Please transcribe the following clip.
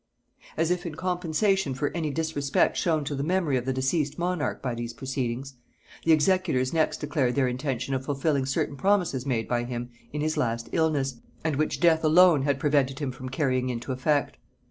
As if in compensation for any disrespect shown to the memory of the deceased monarch by these proceedings, the executors next declared their intention of fulfilling certain promises made by him in his last illness, and which death alone had prevented him from carrying into effect.